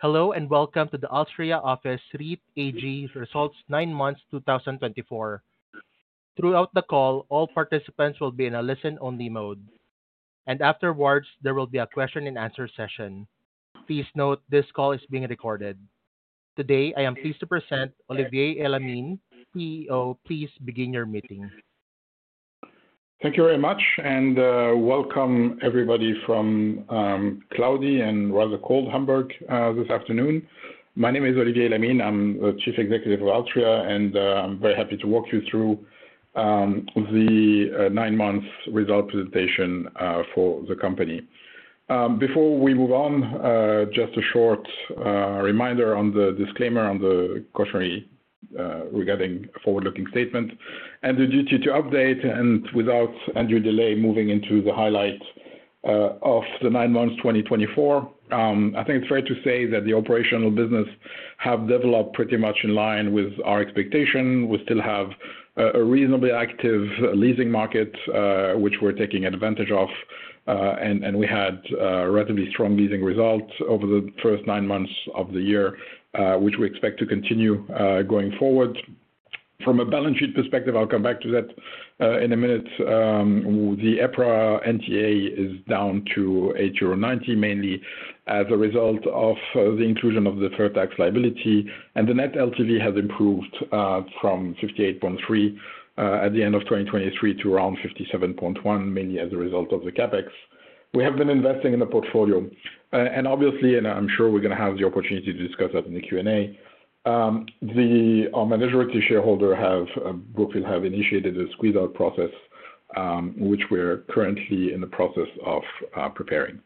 Hello and welcome to the Alstria office REIT-AG results nine months 2024. Throughout the call, all participants will be in a listen-only mode, and afterwards there will be a question-and-answer session. Please note this call is being recorded. Today, I am pleased to present Olivier Elamine, CEO. Please begin your meeting. Thank you very much, and welcome everybody from cloudy and rather cold Hamburg this afternoon. My name is Olivier Elamine. I'm the Chief Alstria office REIT-AG, and I'm very happy to walk you through the nine months result presentation for the company. Before we move on, just a short reminder on the disclaimer on the cautionary regarding forward-looking statement and the duty to update. Without any delay, moving into the highlight of the nine months 2024. I think it's fair to say that the operational business has developed pretty much in line with our expectation. We still have a reasonably active leasing market, which we're taking advantage of, and we had a relatively strong leasing result over the first nine months of the year, which we expect to continue going forward. From a balance sheet perspective, I'll come back to that in a minute. The EPRA NTA is down to 8.90 euro, mainly as a result of the inclusion of the deferred tax liability, and the net LTV has improved from 58.3 at the end of 2023 to around 57.1, mainly as a result of the CapEx. We have been investing in the portfolio, and obviously, I'm sure we're going to have the opportunity to discuss that in the Q&A. Our managerial shareholder group will have initiated a squeeze-out process, which we're currently in the process of preparing.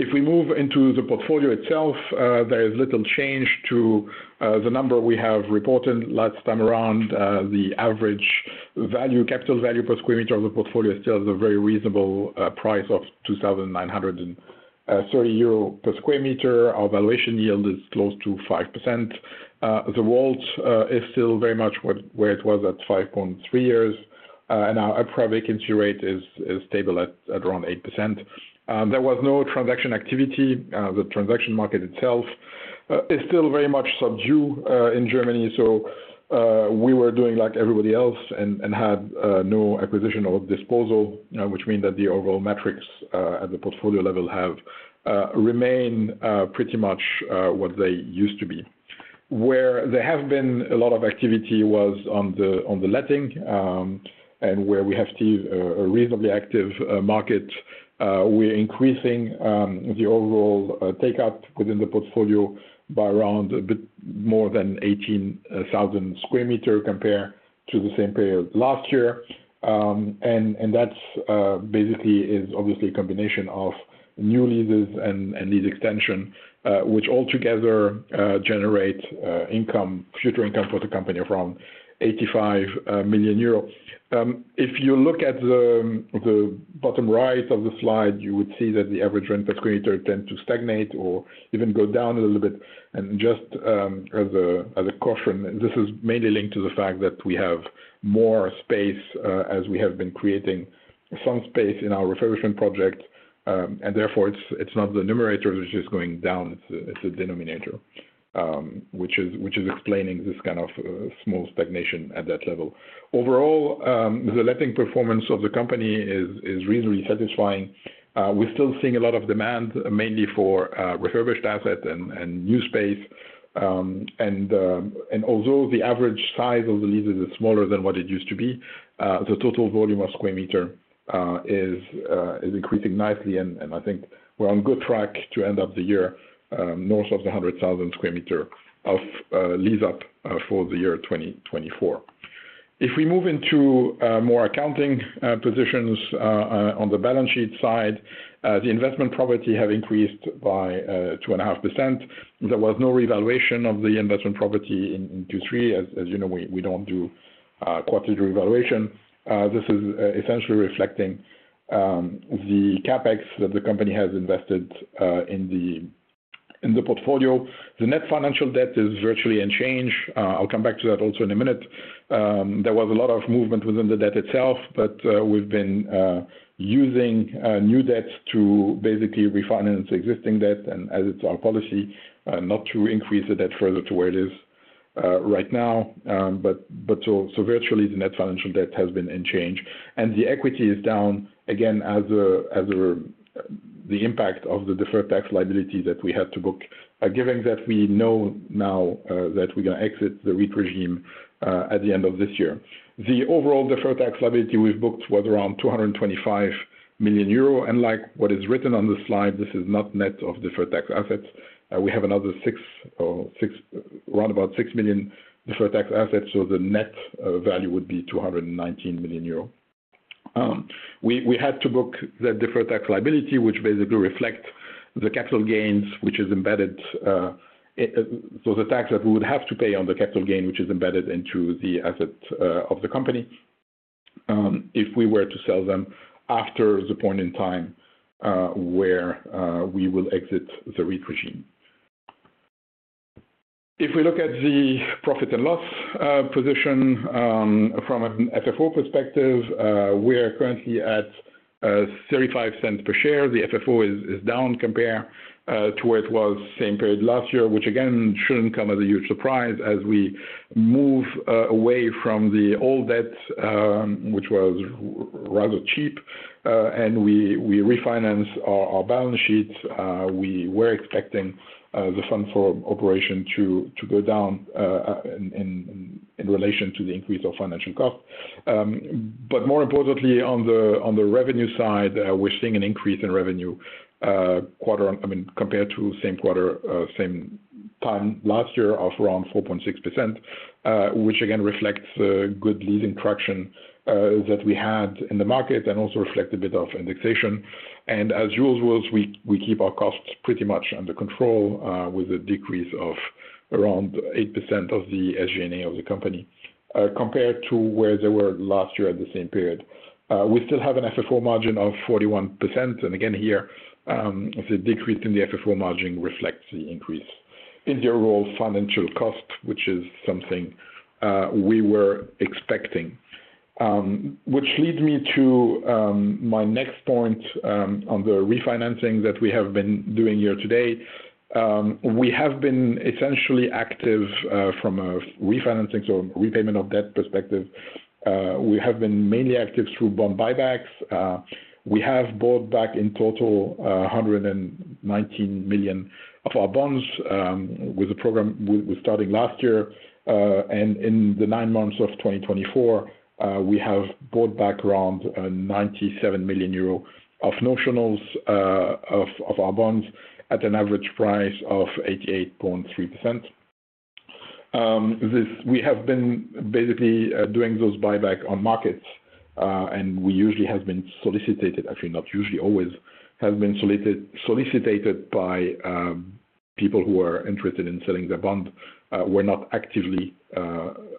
If we move into the portfolio itself, there is little change to the number we have reported last time around. The average value, capital value per square meter of the portfolio still has a very reasonable price of 2,930 euro per square meter. Our valuation yield is close to 5%. The WALT is still very much where it was at 5.3 years, and our EPRA vacancy rate is stable at around 8%. There was no transaction activity. The transaction market itself is still very much subdued in Germany, so we were doing like everybody else and had no acquisition or disposal, which means that the overall metrics at the portfolio level have remained pretty much what they used to be. Where there has been a lot of activity was on the letting, and where we have a reasonably active market, we're increasing the overall take-up within the portfolio by around a bit more than 18,000 square meters compared to the same period last year. That basically is obviously a combination of new leases and lease extension, which altogether generate income, future income for the company of around 85 million euro. If you look at the bottom right of the slide, you would see that the average rent per square meter tends to stagnate or even go down a little bit, and just as a caution, this is mainly linked to the fact that we have more space as we have been creating some space in our refurbishment project, and therefore it's not the numerator which is going down, it's the denominator, which is explaining this kind of small stagnation at that level. Overall, the letting performance of the company is reasonably satisfying. We're still seeing a lot of demand, mainly for refurbished assets and new space. Although the average size of the leases is smaller than what it used to be, the total volume of square meters is increasing nicely, and I think we're on good track to end up the year north of the 100,000 square meters of lease-up for the year 2024. If we move into more accounting positions on the balance sheet side, the investment property has increased by 2.5%. There was no revaluation of the investment property in Q3. As you know, we don't do quarterly revaluation. This is essentially reflecting the CapEx that the company has invested in the portfolio. The net financial debt is virtually unchanged. I'll come back to that also in a minute. There was a lot of movement within the debt itself, but we've been using new debt to basically refinance existing debt. As it's our policy not to increase the debt further to where it is right now. Virtually, the net financial debt has been unchanged, and the equity is down again as the impact of the deferred tax liability that we had to book, given that we know now that we're going to exit the REIT regime at the end of this year. The overall deferred tax liability we've booked was around 225 million euro. Like what is written on the slide, this is not net of deferred tax assets. We have another six, or round about six million deferred tax assets, so the net value would be 219 million euro. We had to book that deferred tax liability, which basically reflects the capital gains, which is embedded. The tax that we would have to pay on the capital gain, which is embedded into the assets of the company, if we were to sell them after the point in time where we will exit the REIT regime. If we look at the profit and loss position from an FFO perspective, we're currently at 0.35 per share. The FFO is down compared to where it was same period last year, which again shouldn't come as a huge surprise as we move away from the old debt, which was rather cheap, and we refinance our balance sheets. We were expecting the FFO to go down in relation to the increase of financial cost. But more importantly, on the revenue side, we're seeing an increase in revenue quarter, I mean, compared to same quarter, same time last year of around 4.6%, which again reflects good leasing traction that we had in the market and also reflects a bit of indexation. And as usual, we keep our costs pretty much under control with a decrease of around 8% of the SG&A of the company compared to where they were last year at the same period. We still have an FFO margin of 41%, and again here, the decrease in the FFO margin reflects the increase in the overall financial cost, which is something we were expecting. Which leads me to my next point on the refinancing that we have been doing here today. We have been essentially active from a refinancing, so repayment of debt perspective. We have been mainly active through bond buybacks. We have bought back in total 119 million of our bonds with a program starting last year. And in the nine months of 2024, we have bought back around 97 million euro of notionals of our bonds at an average price of 88.3%. We have been basically doing those buybacks on markets, and we usually have been solicited, actually not usually, always have been solicited by people who are interested in selling their bond. We're not actively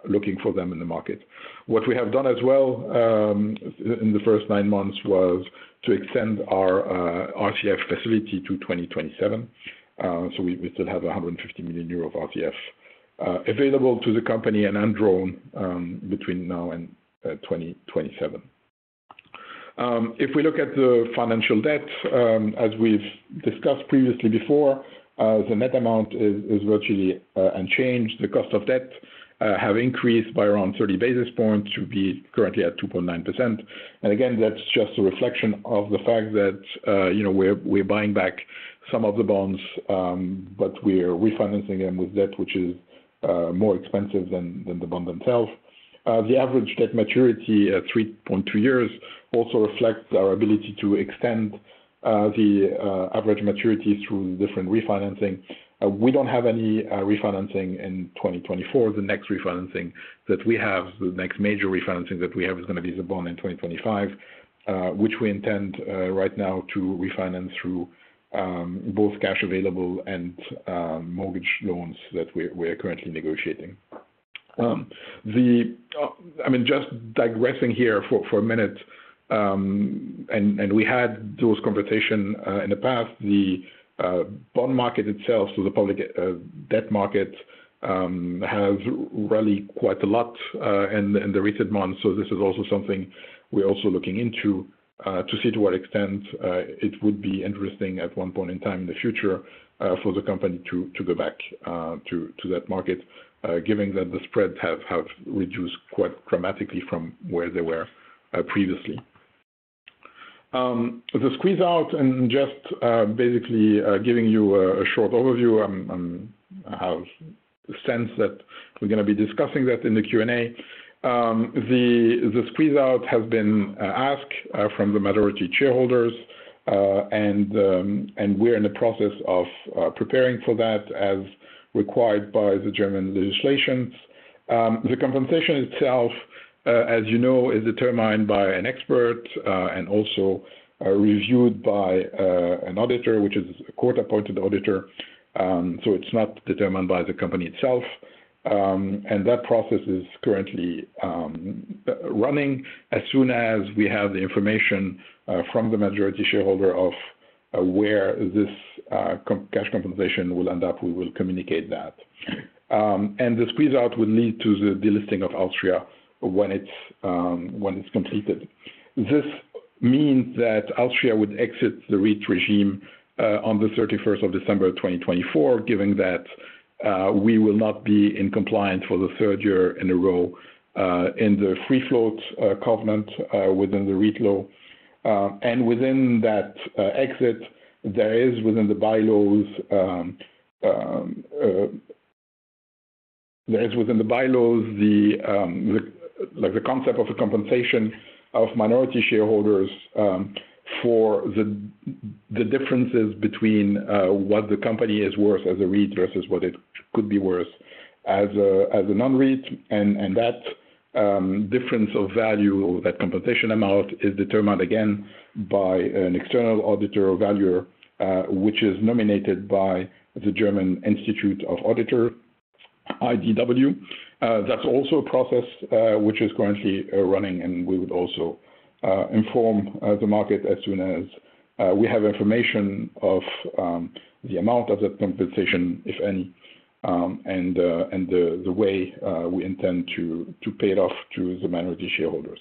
looking for them in the market. What we have done as well in the first nine months was to extend our RCF facility to 2027. So we still have 150 million euro of RCF available to the company and undrawn between now and 2027. If we look at the financial debt, as we've discussed previously before, the net amount is virtually unchanged. The cost of debt has increased by around 30 basis points to be currently at 2.9%, and again, that's just a reflection of the fact that we're buying back some of the bonds, but we're refinancing them with debt, which is more expensive than the bond themselves. The average debt maturity at 3.2 years also reflects our ability to extend the average maturity through different refinancing. We don't have any refinancing in 2024. The next refinancing that we have, the next major refinancing that we have is going to be the bond in 2025, which we intend right now to refinance through both cash available and mortgage loans that we're currently negotiating. I mean, just digressing here for a minute, and we had those conversations in the past. The bond market itself, so the public debt market, has rallied quite a lot in the recent months. So this is also something we're looking into to see to what extent it would be interesting at one point in time in the future for the company to go back to that market, given that the spreads have reduced quite dramatically from where they were previously. The squeeze-out, and just basically giving you a short overview, I have a sense that we're going to be discussing that in the Q&A. The squeeze-out has been asked from the majority shareholders, and we're in the process of preparing for that as required by the German legislation. The compensation itself, as you know, is determined by an expert and also reviewed by an auditor, which is a court-appointed auditor. So it's not determined by the company itself. And that process is currently running. As soon as we have the information from the majority shareholder of where this cash compensation will end up, we will communicate that. And the squeeze-out would lead to the delisting of Alstria when it's completed. This means that Alstria would exit the REIT regime on the 31st of December 2024, given that we will not be in compliance for the third year in a row in the free float covenant within the REIT law. And within that exit, there is the concept of a compensation of minority shareholders for the differences between what the company is worth as a REIT versus what it could be worth as a non-REIT. And that difference of value, that compensation amount, is determined again by an external auditor or valuer, which is nominated by the German Institute of Auditors, IDW. That's also a process which is currently running, and we would also inform the market as soon as we have information of the amount of that compensation, if any, and the way we intend to pay it off to the minority shareholders.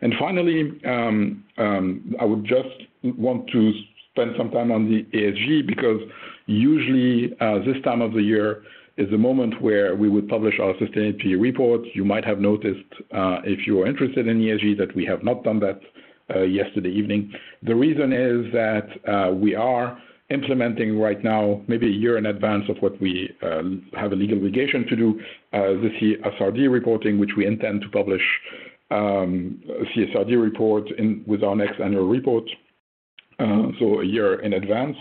And finally, I would just want to spend some time on the ESG, because usually this time of the year is the moment where we would publish our sustainability report. You might have noticed, if you are interested in ESG, that we have not done that yesterday evening. The reason is that we are implementing right now, maybe a year in advance of what we have a legal obligation to do, the CSRD reporting, which we intend to publish, CSRD report with our next annual report, so a year in advance.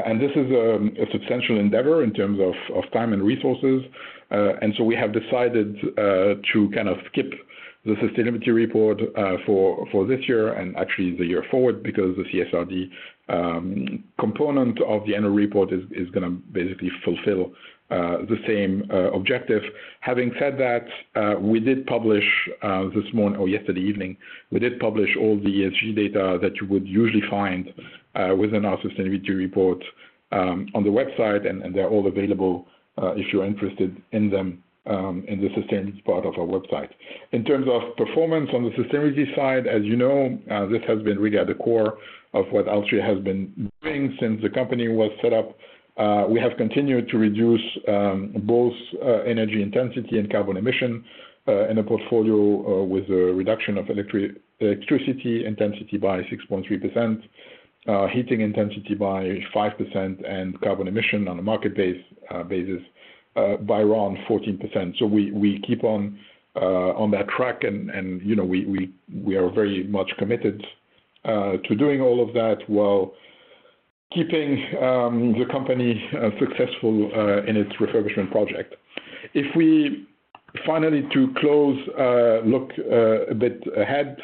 And this is a substantial endeavor in terms of time and resources. And so we have decided to kind of skip the sustainability report for this year and actually the year forward, because the CSRD component of the annual report is going to basically fulfill the same objective. Having said that, we did publish this morning or yesterday evening, we did publish all the ESG data that you would usually find within our sustainability report on the website, and they're all available if you're interested in them in the sustainability part of our website. In terms of performance on the sustainability side, as you know, this has been really at the core of what Alstria has been doing since the company was set up. We have continued to reduce both energy intensity and carbon emission in the portfolio with a reduction of electricity intensity by 6.3%, heating intensity by 5%, and carbon emission on a market-based basis by around 14%. So we keep on that track, and we are very much committed to doing all of that while keeping the company successful in its refurbishment project. If we finally, to close, look a bit ahead,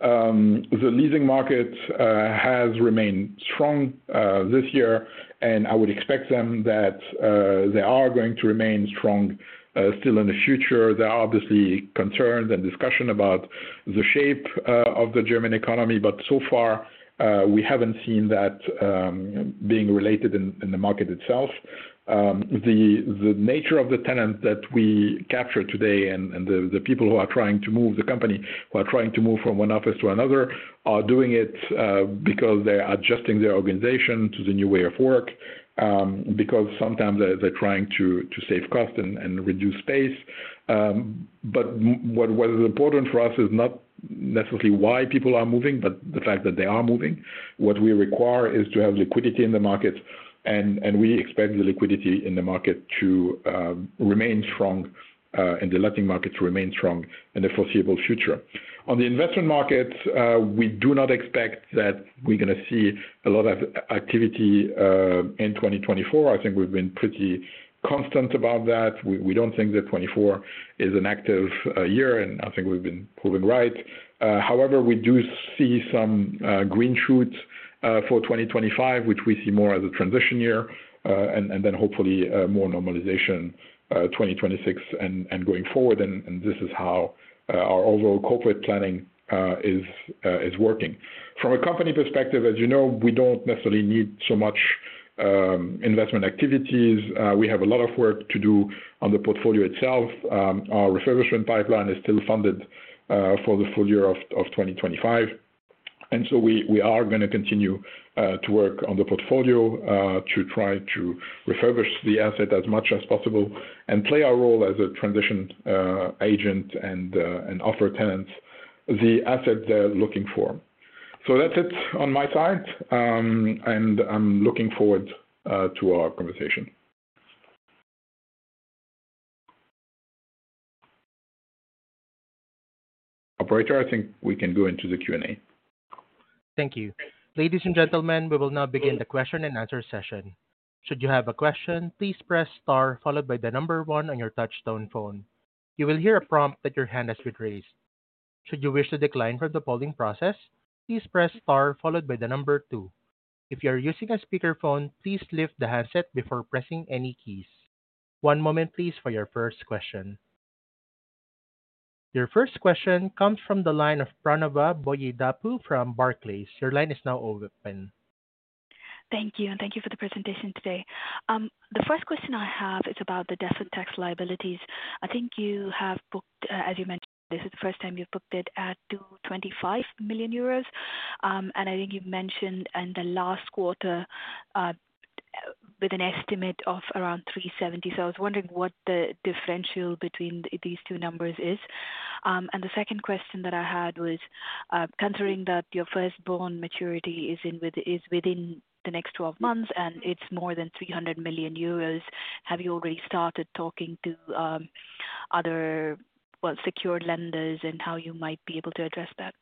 the leasing market has remained strong this year, and I would expect them that they are going to remain strong still in the future. There are obviously concerns and discussion about the shape of the German economy, but so far we haven't seen that being related in the market itself. The nature of the tenants that we capture today and the people who are trying to move, the company who are trying to move from one office to another are doing it because they're adjusting their organization to the new way of work, because sometimes they're trying to save cost and reduce space. But what was important for us is not necessarily why people are moving, but the fact that they are moving. What we require is to have liquidity in the market, and we expect the liquidity in the market to remain strong and the letting market to remain strong in the foreseeable future. On the investment market, we do not expect that we're going to see a lot of activity in 2024. I think we've been pretty constant about that. We don't think that 2024 is an active year, and I think we've been proving right. However, we do see some green shoots for 2025, which we see more as a transition year, and then hopefully more normalization 2026 and going forward. And this is how our overall corporate planning is working. From a company perspective, as you know, we don't necessarily need so much investment activities. We have a lot of work to do on the portfolio itself. Our refurbishment pipeline is still funded for the full year of 2025, and so we are going to continue to work on the portfolio to try to refurbish the asset as much as possible and play our role as a transition agent and offer tenants the asset they're looking for, so that's it on my side, and I'm looking forward to our conversation. Operator, I think we can go into the Q&A. Thank you. Ladies and gentlemen, we will now begin the question and answer session. Should you have a question, please press star followed by the number one on your touch-tone phone. You will hear a prompt that your hand has been raised. Should you wish to decline from the polling process, please press star followed by the number two. If you are using a speakerphone, please lift the handset before pressing any keys. One moment, please, for your first question. Your first question comes from the line of Pranava Boyidapu from Barclays. Your line is now open. Thank you, and thank you for the presentation today. The first question I have is about the debt and tax liabilities. I think you have booked, as you mentioned, this is the first time you've booked it at 225 million euros, and I think you've mentioned in the last quarter with an estimate of around 370. So I was wondering what the differential between these two numbers is. And the second question that I had was considering that your first bond maturity is within the next 12 months and it's more than 300 million euros. Have you already started talking to other, well, secured lenders and how you might be able to address that?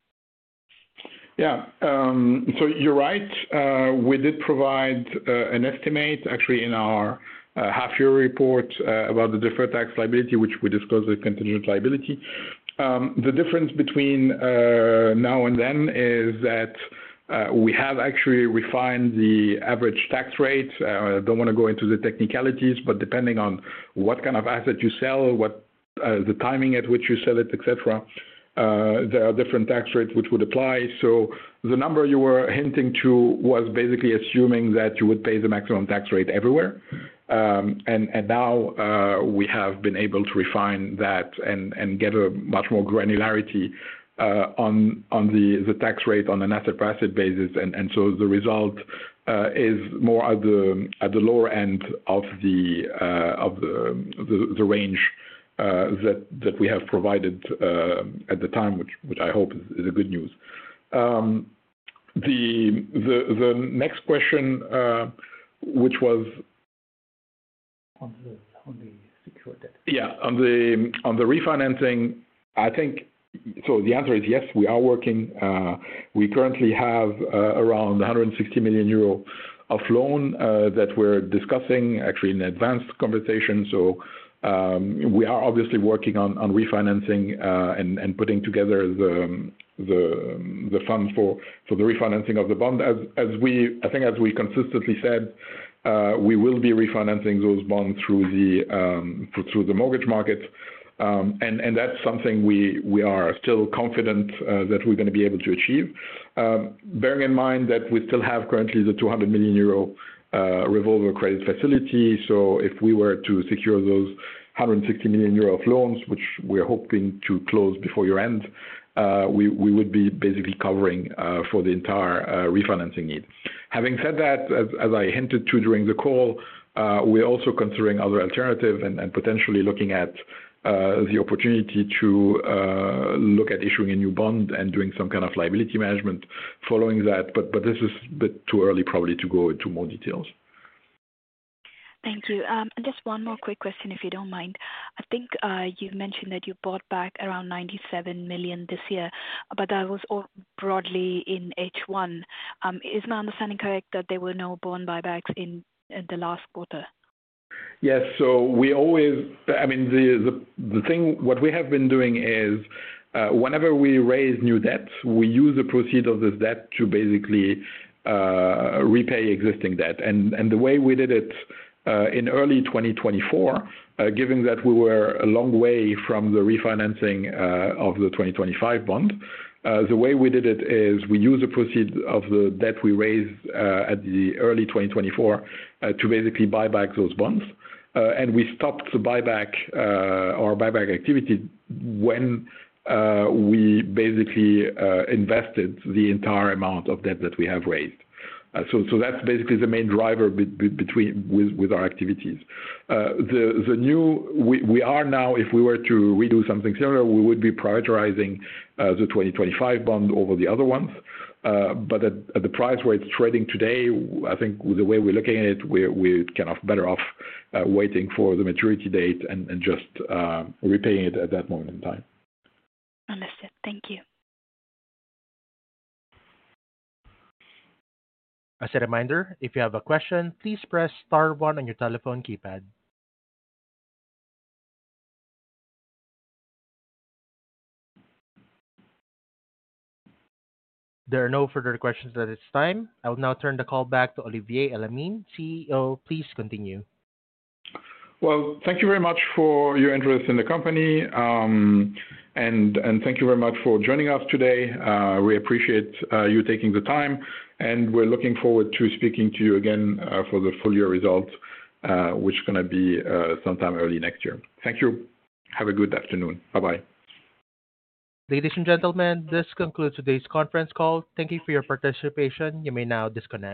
Yeah. So you're right. We did provide an estimate actually in our half-year report about the deferred tax liability, which we disclose as contingent liability. The difference between now and then is that we have actually refined the average tax rate. I don't want to go into the technicalities, but depending on what kind of asset you sell, the timing at which you sell it, etc., there are different tax rates which would apply. So the number you were hinting to was basically assuming that you would pay the maximum tax rate everywhere. And now we have been able to refine that and get a much more granularity on the tax rate on an asset-by-asset basis. And so the result is more at the lower end of the range that we have provided at the time, which I hope is good news. The next question, which was on the secured debt. Yeah. On the refinancing, I think so the answer is yes, we are working. We currently have around 160 million euro of loan that we're discussing actually in advanced conversation. So we are obviously working on refinancing and putting together the funds for the refinancing of the bond. I think as we consistently said, we will be refinancing those bonds through the mortgage market, and that's something we are still confident that we're going to be able to achieve, bearing in mind that we still have currently the 200 million euro revolving credit facility. So if we were to secure those 160 million euro of loans, which we're hoping to close before year-end, we would be basically covering for the entire refinancing need. Having said that, as I hinted to during the call, we're also considering other alternatives and potentially looking at the opportunity to look at issuing a new bond and doing some kind of liability management following that. But this is a bit too early probably to go into more details. Thank you. And just one more quick question, if you don't mind. I think you've mentioned that you bought back around 97 million this year, but that was all broadly in H1. Is my understanding correct that there were no bond buybacks in the last quarter? Yes. So we always, I mean, the thing what we have been doing is whenever we raise new debt, we use the proceeds of this debt to basically repay existing debt. And the way we did it in early 2024, given that we were a long way from the refinancing of the 2025 bond, the way we did it is we use the proceeds of the debt we raised in early 2024 to basically buy back those bonds. And we stopped the buyback activity when we basically invested the entire amount of debt that we have raised. So that's basically the main driver with our activities. Now, if we were to redo something similar, we would be prioritizing the 2025 bond over the other ones. But at the price where it's trading today, I think the way we're looking at it, we're kind of better off waiting for the maturity date and just repaying it at that moment in time. Understood. Thank you. As a reminder, if you have a question, please press star one on your telephone keypad. There are no further questions at this time. I will now turn the call back to Olivier Elamine, CEO. Please continue. Well, thank you very much for your interest in the company, and thank you very much for joining us today. We appreciate you taking the time, and we're looking forward to speaking to you again for the full year result, which is going to be sometime early next year. Thank you. Have a good afternoon. Bye-bye. Ladies and gentlemen, this concludes today's conference call. Thank you for your participation. You may now disconnect.